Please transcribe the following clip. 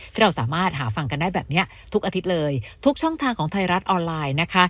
เราสามารถหาฟังกันได้แบบนี้ทุกอาทิตย์เลยทุกช่องทางของไทยรัฐออนไลน์นะคะ